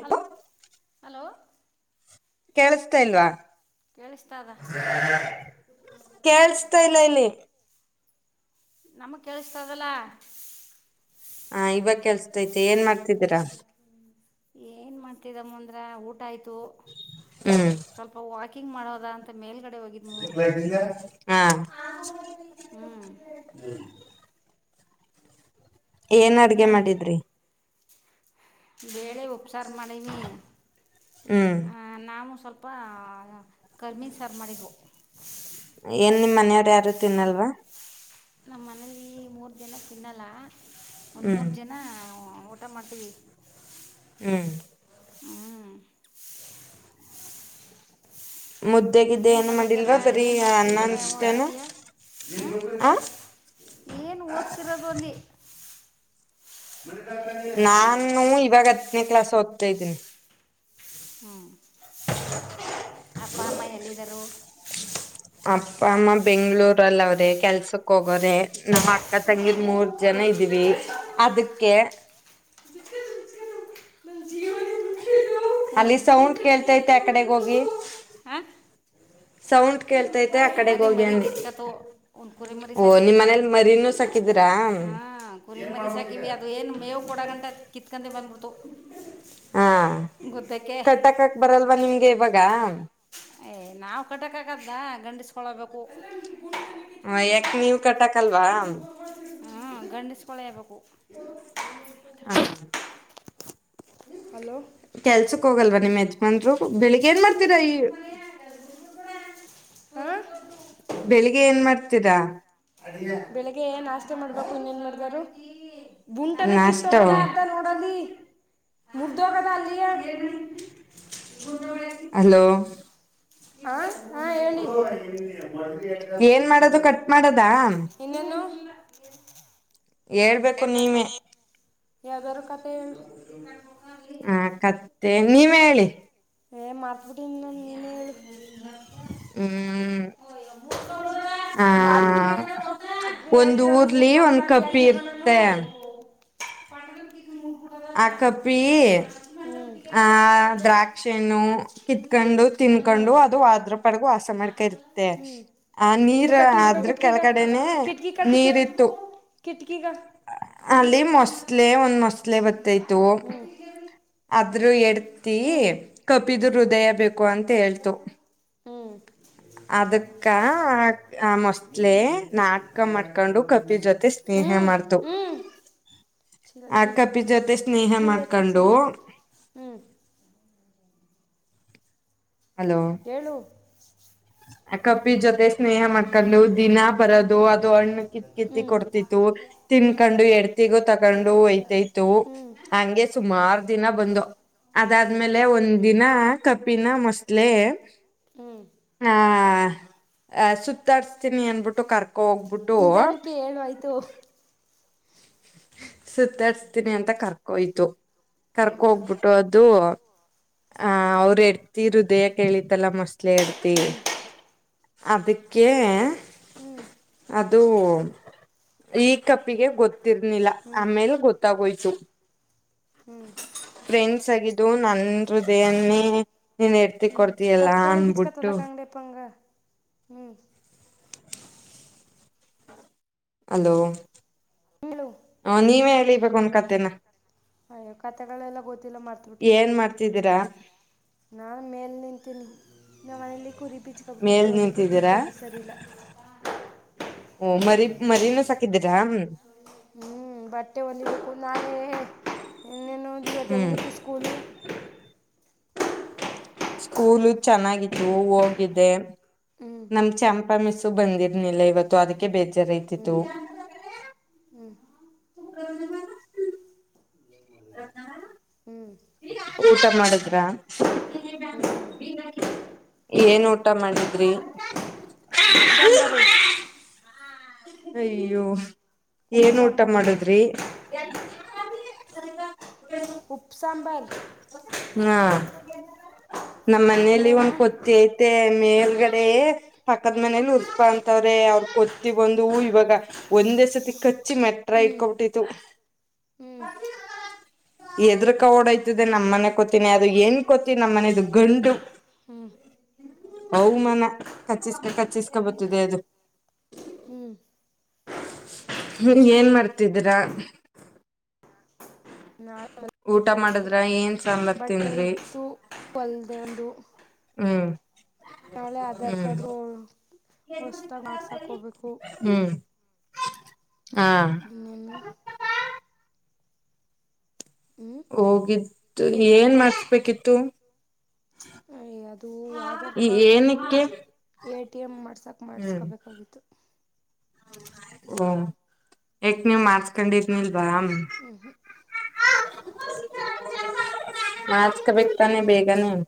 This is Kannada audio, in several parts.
ಹಲ್ ಹಲೋ ಕೇಳಸ್ತಾಲ್ವಾ. ಕೇಳಿಸ್ತಾ ಅದ. ಕೇೇಳಸ್ತಾ ಇಲ್ಲ ಇಲ್ಲಿ ನಮ ಕೇಳಿಸತದಲ್ಲ. ಹ ಇವಾಗ ಕೆಲ್ಸತೈತೆ ಏನ್ ಮಾಡ್ತಿದ್ದೀರಾ. ಏನ್ ಮಾಡ್ತಿದಮ್ಮ ಅಂದ್ರ ಊಟ ಆಯ್ತು ಹ್ಮ್ ಸ್ವಲ್ಪ ವಾಕಿ ಕಿಂಗ್ ಮಾಡೋದ ಅಂತ ಮೇಲ್ಗ ಡೆ ಹೋಗಿದ ಹ್ಮ ಹಾ ಹ್ಮ. ಏನ್ ಅಡ್ಗೆ ಮಾಡಿದ್ರಿ. ಬೇಳೆ ಉಪ್ಸಾರ ಮಾಡೀನೀ ಹ್ಮ್ ಅ ನಾವು ಸ್ವಲ್ ಪ್ಪ ಏನ್ ನಿಮ್ಮ ಮನೆಯವರ ಯಾರು ತಿನ್ನಲ್ವಾ. ನಮ್ಮ ಮನೇಲಿ ಮೂರ್ ಜನ ತಿನ್ನಲ್ಲ ಒಂದ ಹ್ಮ್ ಮೂರ್ ಜನ ಮಟ್ಟ ಮಾಡ್ತೀವಿ. ಹ್ಮ. ಹ್ಮ. ಮುದ್ದಗಿದ್ದೆ ಏನು ಮಾಡಿಲ್ವಾ ಸರಿ ಅನ್ನ ಅನ್ಸತೇನು. ಹ್ಮ ಏನ್ ಓದ್ತಿರೋದು ಅಂದಿ. ನಾನು ಇವಾಗ ಹತ್ತನೇ ಕ್ಲಾಸ್ ಓದ್ತಾ ಇದ್ದೀನಿ. ಹ್ಞ ಅಪ್ಪ ಅಮ್ಮ ಎಲ್ಲಿದರು. ಅಪ್ಪ ಅಮ್ಮ ಬೆಂಗ್ಗಳೂರಲ್ಲ ಅವ್ರೆ ಕೆಲ್ಸಕ್ ಹೋಗ ವರೆ ನಮ್ಮ ಅಕ್ಕ ತಂಗಿರ ಮೂರ್ಜನ ಇದೀವಿ ಅದಕ್ಕೆ [inaudible] ನನ್ನ ಜೀವನ ಮುಟ್ಟಿದ್ದು ಹ್ಞೂ ಅಲ್ಲಿ ಸೌಂಡ್ ಗುಂಡಲ್ಲಿ ಕೇಳ್ತೈತೆ ಆಕಡೆಗ ಕಿತ್ಕೊಂಡ್ಬಿಡ್ದು ಹೋಗಿ. ಹಾಂ ಸೌಂಡ್ ಕೇಳ್ತಾ ಮತ್ತೆ ಆ ಕಡೆಗ ಮರಿ ಹೋಗಿ ಮರಿ ಅಂದೆ ಕಿತ್ಕತು ಒಂದು ಕುರಿ ಮರಿ ಓ ನಿಮ್ಮ ಸಾಕಿದ್ವಿ ಮನೇಲಿ ಮರಿನುೂ ಸಾಕಿದಿರಾ. ಹಾಂ ಕುರಿ ಮರಿ ಸಾಕಿವಿ ಅದು ಏನು ಮೇವು ಕೊಡೋಗಂತ [unintelligible] ಕಿತ್ಕೊಂಡೆ ಬಂದ್ಬಿಡ್ತು ಹಾ ಗುದ್ದಕ್ಕೆ ಕಟಾಕಕ್ ಬರಲ್ವ ನಿಮ್ಗೆ ಇವಾಗ ಏ ನಾವ ಕಟ್ಟಕ ಆಗ್ದ ಗಂಡಿಸ್ಕೊಳಬೇಕು. ಅಲ್ವಾ ಹಾ ಗಂಡಿಸ್ಕಳೇಬೇಕು. ಹ ಹಲೋ ಕೆಲ್ಸಕ್ ಹೋಗಲ್ವಾ ನಿಮ್ ಯಜಮನ್ರು ಬೆಳಿಗ್ ಏನ್ ಮಾಡ್ತೀದ ಈ ಹಾಂ ಬೆಳಿಗ್ಗೆ ಏನ್ ಮಾಡ್ತೀರಾ ಬೆಳಿಗ್ಗೆಯೆ ನಾಷ್ಟ ಮಾಡ್ಬೇಕು ಇನ್ನೇನ್ ಮಾಡ್ದಾರು ಬುಂಟನ ನಾಷ್ಟ ಕಿತ್ತೋಗದ ಅರ್ಧ ನೋಡಲ್ಲಿ ಮುರ್ದೋ ಕದಾಲ ಆಲಿಯೇ ಹಲೋ ಅಂ ಅಂ ಹೇಳಿ ಏನ್ ಮಾಡೋದು ಕಟ್ ಮಾಡದಾ ಇನ್ನೇನೂ ಹೇಳ್ಬೇಕು ನೀವೇ ಯಾವ್ದಾದ್ರು ಕತೆ ಹೇಳು ಹ ಕತ್ತೆ ನೀವ್ ಹೇಳಿ ಏ ಮರ್ತ್ ಬುಟ್ಟಿನಿ ನನ್ ನೀನೇ ಹೇಳು [inaudible] ಹ್ಮ್ ಆ [unintelligible] ಅದ್ ನೀ ಒಂದ್ ಹೇಳ್ತಿರ ಅದು ಮೂರ್ ಊರ್ಲಿ ಒಂದ್ [unintelligible] ಅಂತ ಕಪ್ಪಿ ಹೇಳ್ತಿರ್ವ ನಾನು ಇರ್ತ್ತೆ ಆ ಕಾಪಿ ಹ್ಮ್ ಆ ದ್ರಾಕ್ಷಿ ಣ್ಣು ಕಿತ್ಕೊಂಡು ತಿನ್ಕೊಂಡು ಹ್ಮ್ ಅದು ಅದ್ರ ಪಾಡಗ ವಾಸ ಮಾಡ್ಕ ಇರುತ್ತೆ ಆ ಇಲ್ಲ ನೀರ್ ಆದ್ರ ಕೆಳಗಡೆನೆ ನೀರ್ತ್ತು ಕಿಟಕಿಗ ಅಲ್ಲಿ ಮೊಸಳೆ ಒಂದ್ ಮೊಸಳೆ ಬತ್ತೈತು ಆದದ್ರೂ ಎಡ್ತಿ ಹ್ಮ್ ಕಪಿದ್ ಹೃದಯ ಬೇಕು ಅಂತ ಹೇಳ್ತು [inaudible] ಅದಕ್ಕ ಆ ಆ ನಿನ್ ಮೊಸ್ಲೆ ಮೇಂತಿಂತ ನಾಟಕ ಮಾಡ್ಕೊಂಡು ಕಪಿ ತಂದಾಕ್ತಿರೋದಿಲ್ಲ ಜೊತೆ ಸ್ನೇಹ ಹ್ಮ್ ಮಾಡ್ತು ಹ್ಮ್ ಚೀಲ ಆ ಚೀಲ ಕಪಿ ಎತ್ಕ ಜೊತೆ ಸ್ನೇಹ ಚೀಲ ಎತ್ಕ ಮಾಡ್ಕೊಂಡು ಚೀಲ [inaudible] ಅಂದಿ ಹ್ಮ್ ಏಳು ಆ ಕಪ್ಪಿ ಜೊತೆ ಸ್ನೇಹ ಮಾಡ್ಕ್ಕೊಂಡು ದಿನಾ ಬರದು ಅದು ಹಣ್ಣು ಕಿತ್ತ ಕಿತ್ತ ಕೊಡ್ತಿತ್ತು ತಿನ್ಕೊಂಡು ಎಡ್ತಿಗೂ ತಕೊಂಡು ಒಯಿತೈತ್ತು ಹಂಗೆ ಸುಮಾರು ದಿನ ಬಂದು ಅದಾದ್ಮೇಲೆ ಒಂದ್ ದಿನ ಕಪಿನ ಮೊಸ್ಲೆ ಹ್ಮ್ ಆ ಸುತ್ತಾಡ್ಸ್ತೀನಿ ಅನ್ಬಿಟ್ಟು ಕರ್ಕ್ ಹೋಗ್ಬಿಟ್ಟು ಸುತ್ತಾಡ್ಸ್ತೀನಿ ಅಂತ ಕರ್ಕೋಯ್ತು ಕರ್ಕ ಹೋಗ್ಬಿಟ್ಟು ಅದು ಆ ಅವ್ರ ಎಡ್ತಿ ಹೃದಯ ಕೇಳಿತಲ್ಲ ಮೊಸ್ಲೆ ಎಡ್ತಿ ಅದಿಕ್ಕೆ ಹ್ಮ್ ಅದು ಈ ಕಪ್ಪಿಗೆ ಗೊತ್ತಿರ್ ಏನಿಲ್ಲ ಹ್ಮ್ ಆಮೇಲೆ ಗೊತ್ತಾಗೋಯ್ತು ಹ್ಮ್ ಸಗಿದ್ದು ನನ್ ಹೃದಯನೇ ಹ್ಮ್ ಕತ್ಕಾನೆ ಬೀಚ್ ಕತ್ತದಕ್ಕಾಂಗಡೆಪ್ಪಂಗ ಹ್ಮ್ ಅಲೋ ಹೇಳು ಹ ನೀವೇ ಹೇಳಿಬೇಕ ಒನ್ ಕತೇನ ಅಯ್ಯೋ ಕತೆಗಳೆಲ್ಲ ಗೊತ್ತಿಲ್ಲ ಮಾರ್ತಿಬುಟಿವಿ ಏನ್ ಮಾಡ್ತಿದ್ದೀರಾ ನಾನ್ ಮೇಲೆ ನಿಂತೀನ ನಮ್ ಮನೆಲಿ ಕುರಿ ಮೇಲ್ ಬೀಚ್ಕಬಿಟ್ಟಿತ್ತು ಅದು ನಿಂತಿದ್ದೀರಾ ಗುದ್ದುತ್ತೆ ಅದು ಸರಿಲ್ಲ ಓ ಮರಿ ಮರಿನೂ ಸಾಕಿದ್ದಿರಾ ಹ್ಮ್ ಬಟ್ಟೆ ಒಲಿ ಬೇಕು ಇನ್ನೇನು ಇವತ್ ಹ್ಮ್ ಹೆಂಗಿತ್ತು ಸ್ಕೂಲು ಸ್ಕೂಲು ಚೆನ್ನಾಗಿತ್ತು ಹೋಗಿದ್ದೆ ಹ್ಞೂ ನಾನ್ ಚಂಪಾ ಮಿಸ್ಸು ಬಂದಿರ್ನಿಲ್ಲ ಇವತ್ತು ಅದಕ್ಕೆ ಬೇಜಾರ್ ಹ್ಞೂ ಆಯಿತಿತು [inaudible] ಹೂ ಊಟ ಮಾಡಿದ್ರ ಹ್ಞೂ ಏನ್ ಊ [inaudible] ಊಟ ಮಾಡಿದ್ರಿ. [inaudible] ದಿ ಸಾಂಬಾರು [inaudible] ಅಯ್ಯೋ ಉಪ್ಪು ಏನ್ ಊಟ ಸಾಂಬಾರು ಮಾಡದ್ರಿ. [inaudible] ನನಗ [inaudible] ಉಪ್ಪು ಸಾಂಬಾರ್ [inaudible] ನಮ್ಮ ಮನಲಿ ಒಂದ ಕೊತ್ತಿ ಐತೆ ಮೇಲ್ ಗಡೆ ಪಕ್ಕದ ಮನೇಲಿ ಉದಪ್ಪಾ ಅಂತವ್ರೆ ಅವ್ರ ಕೊತ್ತಿ ಒಂದ್ [inaudible] ನೀವು ಇವಾಗ ಒಂದೇ ಸರ್ತಿ ಕಚ್ಚಿ ಮೆಟ್ರ ಹ್ಞೂ ಹಿಂಟ್ಕೊಬಿಟ್ಟಿತ್ತು. ಹ್ಞೂ [inaudible] [inaudible] ಎದ್ರಕ ಓಡೈತದೆ ನಮ್ಮ ಮನೆ ಕೊತಿನಿ ಅದು ಹೆಣ್ಣಕೊತಿನಿ ನಮ್ಮ ಮನೆದು ಗಂಡು ಹು ಹೌ ಮನ ಕಚ್ಚಿಸ್ಕ ಕಚ್ಚಿಸ್ಕೊ ಬತಿದೆ ಅದು. ಹ್ಞೂ ಹು ಏನ್ ಮಾಡ್ತಿದ್ದೀರ. [inaudible] ನಾಳೆ ಮಾಡತ್ತೀನಿ. ಊಟ ಮಾಡಿದ್ರ ಏನ್ ಸಾಂಬಾರ ತಿನ್ಲಿ ಇತ್ತು ಹೊಲ್ದೆ ಒಂದು ಹು ನಾಳೆ ಆಧಾರ್ ಕಾರ್ಡ್ ಹೊ ಹೊಸದಾಗಿ ಮಾಡ್ಸಾಕೋಗಬೇಕು. ಆ ಸಕಸತ್ತ ಬಾ [inaudible] ಹ್ಞೂ ಹೋಗಿದ್ದು ಏನ್ ಮಾಡಸ್ಬೇಕಿತ್ತು. [inaudible] ಅಯ್ಯ ಅದು ಆಧಾರ್ ಈ ಕಾರ್ಡ್ರು ಏನಕ್ಕೆ ಎ ಟಿ ಎಂ ಮಾಡ್ಸಕ್ ಮಾಡಸ್ಕೊಬೇಕಾಗಿತ್ತು. ಹೂ ಯಕ್ ನೀವ್ ಮಾಡಾರ್ಸ್ಕೊಂಡಿದ ನಿಲ್ ಬಾಮ್ಮ ಹ್ಞೂ ಹ್ಞೂ [inaudible] ಮಾಡಸಕ್ಕಬೇಕ ತಾನೆ ಬೇಗನೆ. [inaudible]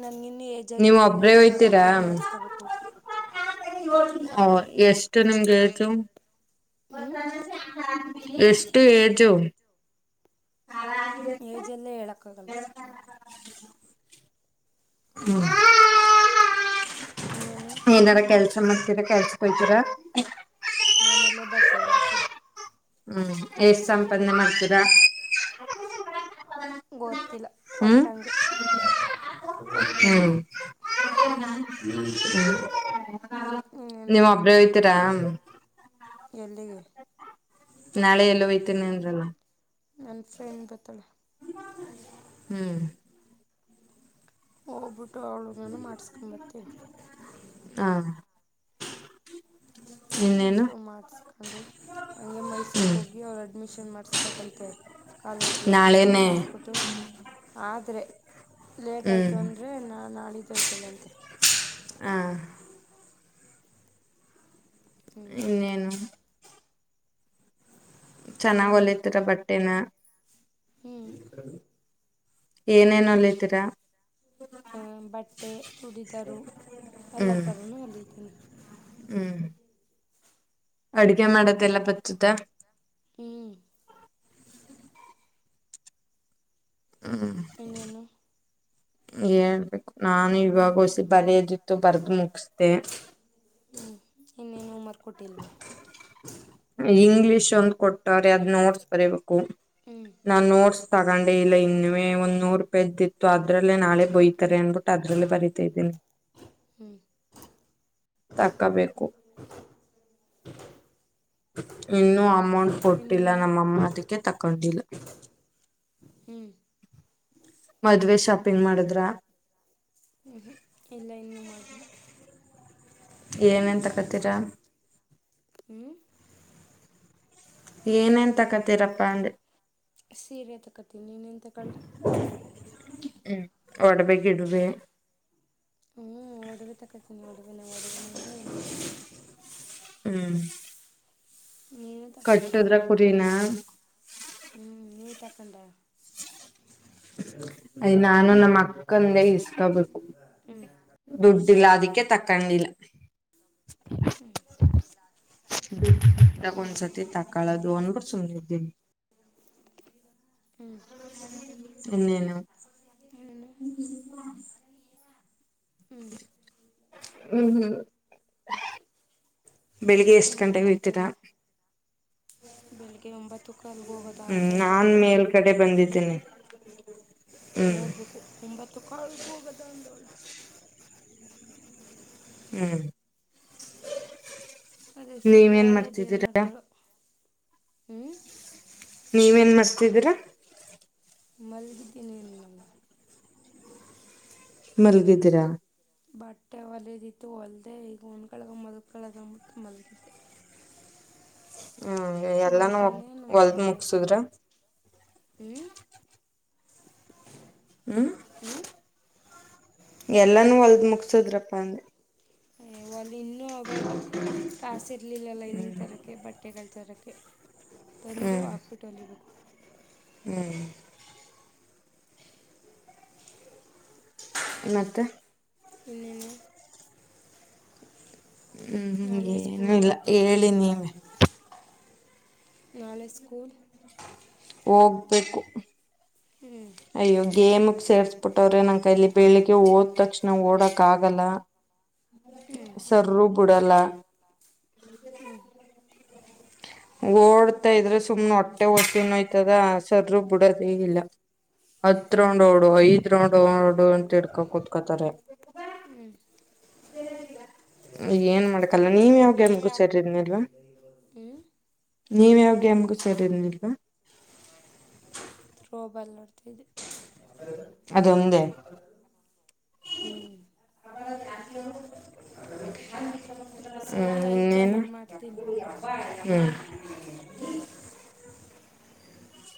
ನನಗ ಇನ್ನ ಏಜ್ ನೀವ್ ಆಗಿರ್ಲಿಲ್ಲ ಒಬ್ರೇ ಈಗ ಆಗೈತಿ ಈಗ ಮಾಡ್ಸ್ಕೊಬೇಕು. ಹೌದ? [inaudible] ಎಷ್ಟು ನಿಮ್ಗೆ ಏಜು ಹ್ಞೂ ಎಷ್ಟು ಏಜು? ಏಜ್ ಎಲ್ಲಾ ಹೇಳಕ್ಕಾಗಲ್ಲ? [inaudible] ಹು [inaudible] ಇನ್ನೇನು ಏನಾರ ಕೆಲಸ ಮಾಡಿಸಿದ್ದಕ್ಕ ಹಚ್ಚಿ ಬಯಿತೀರಾ? ಮನಲ್ಲೇ ಬಟ್ಟೆ ಹೊಲಿತಿನಿ. [inaudible] ಹು ಎಷ್ಟ ಸಂಪಾದನೆ ಮಾಡ್ತೀರಾ? [inaudible] ಗೋತ್ತ ಇಲ್ಲಾ ಹ್ಮ್ ಕೊಟ್ಟಂಗೇ ಕೊಟ್ಟಂಗೇ ಹು ಇನ್ನೇನು ನೀವ್ ಒಬ್ಬರೇ ಹೋಯಿತೀರಾ? ಎಲ್ಲಿಗೆ? [inaudible] ನಾಳೆ ಎಲ್ಲ ಹೊಯ್ತೇನೆ ಅಂದರಲ್ಲ? ನನ್ನ ಫ್ರೆಂಡ್ ಬತ್ತಾಳ್ಳೇ? ಹೂ ಹೋಗ್ಬಿಟ್ಟು ಅವಳು ನಾನು ಮಾಡಿಸ್ಕೊಂಬತೀವಿ. ಆ ಇಬ್ಬರು ಮಾಡಿಸಕೊಂಡು. [inaudible] ಹಂಗೆ ಮೈಸೂರ್ ಹ್ಮ್ ಹೋಗಿ ಅವರ ಅಡ್ಮಿಷನ್ ಮಾಡಸ್ಬೇಕಂತೆ. [inaudible] ಕಾಲೇಜ್ಗೆ ಅಡ್ಮಿಷನ್ ನಾಳೆನೆ ಮಾಡಿಸ್ಬಿಟ್ಟು. [inaudible] ಆದರೆ ಲೇಟ್ ಆಯಿತು ಹ್ಮ್ ಅಂದರೆ ನಾನ ನಾ ನಾಡಿದ್ದ ಹೇಳತ್ತೇನ ಅಂತೆ [inaudible] ಆ ಹೂ [inaudible] ಇನ್ನೇನು ಚೆನ್ನಾಗ್ ಇನ್ನೇನು ಹೊಲೀತರ ಬಟ್ಟೆನಾ? ಹ್ಞೂ ಏನೇನ ಹೋಲಿತ್ತಿರಾ? ಹೂ ಬಟ್ಟೆ ಚುಡಿದಾರು ಎಲ್ಲ ಹ್ಮ್ ಥರೂ ಹೊಲಿತೀನಿ. ಹ್ಮ್ ಅಡ್ಗೆ ಮಾಡದ್ದೆಲ್ಲ ಬತ್ತದ ಹ್ಮ್ ಇನ್ನೇನು ಹೇಳ್ಬೇಕು ನಾನು ಇವಾಗ ಹೊಸಿ ಬರಿಯಾದ್ ಇತ್ತು ಬರ್ದು ಮುಗಿಸ್ದೆ ಹಞ ಇನ್ನೇನು ಹೋಮೇವರ್ಕ್ ಕೊಟ್ಟಿಲ್ವಾ ಇಂಗ್ಲಿಷ್ ಒಂದು ಕೊಟ್ಟಾರೆ ಅದ ನೋಟ್ಸ್ ಬರಬೇಕು ಹ್ಞೂ ನಾ ನೋಟ್ಸ್ ತಗೊಂಡೆ ಇಲ್ಲ ಇನ್ನು ಒಂದ್ ನೂರು ರೂಪಾಯಿ ಇದ್ದಿತ್ತು ಅದ್ರಲ್ಲೇ ನಾಳೆ ಹ್ಞೂ ಬೈತಾರೆ ಅಂದಬಿಟ್ಟು ಅದ್ರಲ್ಲೇ ಬರಿತಾ ಇದೀನಿ ಹ್ಮ್ ತಕ್ಕಬೇಕು ಇನ್ನು ಅಮೌಂಟ್ ಕೊಟ್ಟಿಲ್ಲ ಇನ್ನೇನು ನಮ್ಮಅಮ್ಮ ಅದಕ್ಕೆ ತಕೊಂಡಿಲ್ಲ ಹ್ಞೂ ಮದ್ವೆ ಶಾಪಿಂಗ್ ಮಾಡುದ್ರ ಹ್ಮ್ ಹ್ಮ್ ಇಲ್ಲ ಇನ್ನು ಮಾಡಿಲ್ಲ ಏನೇನ್ ತಕ್ಕತೀರಾ ಹ್ಮ ಏನೇನ್ ತಕತೀರಪ್ಪಾ ಅಂದೆ ಸೀರೆ ತಕತೀನಿ ಇನ್ನೇನ್ ತಕ್ಕಲಿ ಹ್ಮ್ ಒಡವೆ ಗಿಡವೆ ಹ್ಞೂ ಒಡವೆ ತಗೊಳ್ತೀನಿ ಒಡವೆನ ಒಡವೆನೂ ಇಲ್ಲ ಏನೂ ಇಲ್ಲ ಹ್ಮ್ ನೀನು ತಗೊಂಡ್ರಾ ಕಟ್ಟಿದ್ರ ಕುರಿನ ಹ್ಞೂ [unintelligible] ಅಯ್ ನಾನು ನಮ್ಮ ಅಕ್ಕ ದುಡ್ಡಿಲ್ಲ ಅದಕ್ಕೆ ತಕ್ಕೊಂಡಿಲ್ಲ [inaudible] [inaudible] ಹ್ಞೂ ಒಂದ ಸರ್ತಿ ತಕ್ಕೋಲುದ ಅಂತ ಸುಮ್ಮನ ಇದ್ದೀನಿ. ಹ್ಞೂ ಇನ್ನೇನು ಇನ್ನೇನು ಹ್ಮ್ ಹ್ಮ್ ಹ್ಮ್ ಬೆಳಿಗ್ಗೆ ಎಷ್ಟ್ ಗಂಟೆೆಗೆ ಹೋಯ್ತಿರ ಬೆಳಿಗ್ಗೆ ಒಂಬತ್ತು ಕಾಲ್ಗೆ ಹೋಗೋದಾ ಹ್ಮ್ ಅಂತ ನಾನ್ ಅಂದವಳೆ ಮೇಲ್ ಗಡೆ ಬಂದಿದಿನಿ ನೋಡ್ಬೇಕು ಒಂಬತ್ತು ಕಾಳಗ್ ಹೋಗದ ಅಂದೋಳೆ ಹ್ಮ್ ಅದೆಷ್ಟೋತ್ ನೀವೇನ್ ನಾಳೆ ಅದೇನ್ ಮಾಡ್ ಮಾಡ್ತಿದ್ದೀರಾ ತಾಳೋ ಹ್ಞ ನೀವೇನ್ ಮಾಡ್ತಿದೀರ ಮಲಗಿದೀನಿ ಅಂದ್ನಲ್ಲ ಮಲ್ಗಿದಿರಾ? ಬಟ್ಟೆ ಹೊಳೆಯದ್ ಇತ್ತು ಹೊಲ್ದೆ ಈಗ ಒಂದು ಗಳ್ಗ ಮಲ್ಕಳದ ಅಂದ್ಬಿಟ್ಟು ಮಲಗಿದ್ದೆ ಹ್ಮ ಎಲ್ಲಾನೂ ಒ ಮಲ್ಕೊಂಡೆ ಹೊಲ್ದ ಮುಗ್ಸುದ್ರ ಹ್ಮ್ ಹ್ಮ ಎಲ್ಲಾನೂ ಹೊಲ್ದ್ ಮುಗಸುದ್ರಪ್ಪ ಅಂದೆ ಒಲ್ಲಿ ಇನ್ನು ಕಾಸಿ ಇರ್ಲಿಲ್ಲ ಲೈನಿಂಗ್ ತರಕೆ ಬಟ್ಟೆಗಳು ತರಕೆ ಕೆ ತಂದು ಹಾಕ್ಬಿಟ್ಟ್ ಹೋಳಿಬೇಕು ಹ್ಮ್ ಮತ್ತೆ ಇನೇನು ಹ್ಮ್ ಹ ನಾಳೆ ಸ್ಕೂಲ್ ಏನಿಲ್ಲ ಐತೇನೋ ಹೇಳಿ ನೀವೆ ನಾಳೆ ಸ್ಕೂಲ್ ಹೋಗ್ಬೇಕು ಹ್ಮ್ ಅಯ್ಯೋ ಗೇಮಗ್ ಸೇರ್ಸ್ಬಿಟ್ಟವ್ರೆ ನಂಕೈಲ್ಲಿ ಬೆಳಿಗ್ಗೆ ಓದ ತಕ್ಷಣ ಓಡಕ್ ಆಗಲ್ಲ. ಹ್ಞೂ ಸರ್ರು ಬಿಡಲ್ಲ ಓಡ್ತಾ ಇದ್ರೆ ಸುಮ್ನೆ ಹೊಟ್ಟೆ ಹೊಟ್ಟೆನೋಯ್ತದ ಸರೂ ಬಿಡದೇ ಇಲ್ಲ ಹತ್ರೊಂಡೋಡು ಐದ್ ರೌಂಡ್ ಓಡು ಅಂತ ಹಿಡ್ಕೋ ಕುತ್ಕೊಂತಾರೆ. ಹ್ಞೂ ಏನ್ ಮಾಡಕಲ್ಲ ನೀವ ಯಾವ್ ಗೇಮುಗು ಸೇರಿದನಿಲ್ವಾ ಹ್ಞೂ ನೀವ ಯಾವಗೆ ಗೇಮ್ ಗು ಸರಿ ಇರ್ಲಿಲ್ಲಲ್ ತ್ರೋಬಲಾಡ್ತಿದ್ದೆ ಅದೊಂದೇ ಹ್ಞೂ [unintelligible] ಹ್ಮ್ ಸರಿ ಆಯ್ತು ಇನ್ನೇನು ಆಮೇಲೆ ಮಾಡ್ತೀನಿ. ಹ್ಮ್ [inaudible]